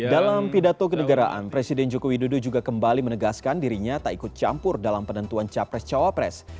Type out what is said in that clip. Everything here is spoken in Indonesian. dalam pidato kedegaraan presiden joko widodo juga kembali menegaskan dirinya tak ikut campur dalam penentuan capres cawapres